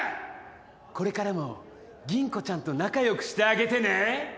これからも吟子ちゃんと仲良くしてあげてね！